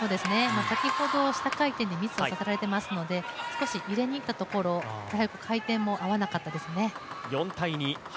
先ほど下回転でミスをされてますので、入れていったところ回転も合わなかったですね。